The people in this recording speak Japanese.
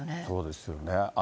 そうですよね。